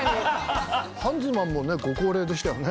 ハンズマンもねご高齢でしたよね。